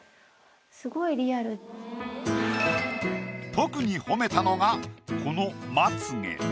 特に褒めたのがこのまつ毛。